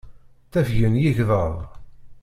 Ttafgen yigḍaḍ.